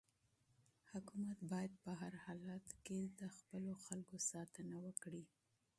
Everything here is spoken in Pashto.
حکومت باید په هر حالت کې د خپلو خلکو ساتنه وکړي.